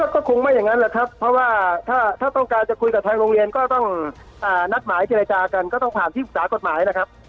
ก็คงไม่อย่างนั้นแหละครับเพราะว่าถ้าต้องการจะคุยกับทางโรงเรียนก็ต้องนัดหมายเจรจากันก็ต้องผ่านที่ปรึกษากฎหมายนะครับ